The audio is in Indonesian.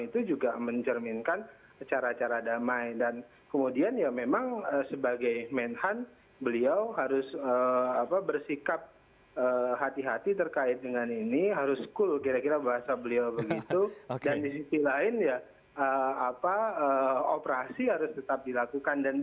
terima kasih pak prabowo